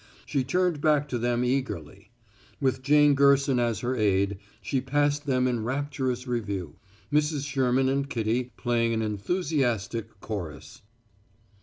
She turned back to them eagerly. With Jane Gerson as her aid, she passed them in rapturous review, Mrs. Sherman and Kitty playing an enthusiastic chorus.